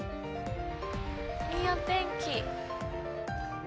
いいお天気。